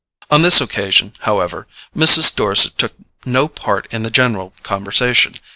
On this occasion, however, Mrs. Dorset took no part in the general conversation.